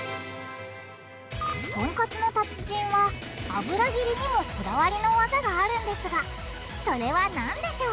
トンカツの達人は油切りにもこだわりの技があるんですがそれは何でしょう？